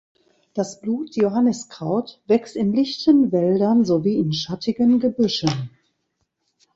Das Blut-Johanniskraut wächst in lichten Wäldern sowie in schattigen Gebüschen.